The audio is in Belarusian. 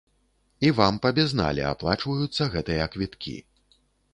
І вам па безнале аплачваюцца гэтыя квіткі.